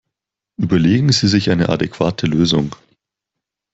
Überlegen Sie sich eine adäquate Lösung!